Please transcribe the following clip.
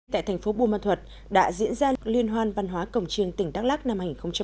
tại thành phố buôn ma thuật đã diễn ra liên hoan văn hóa cổng trương tỉnh đắk lắc năm hai nghìn hai mươi